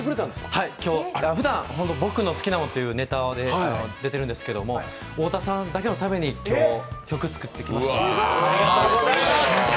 ふだん本当「ぼくのすきなもの」というネタで出ているんですけど太田さんだけのために曲を作ってきましたので。